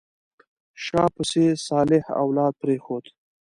شا پسې صالح اولاد پرېښود.